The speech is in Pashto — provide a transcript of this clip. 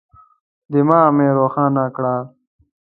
دماغ مي روښانه کړه.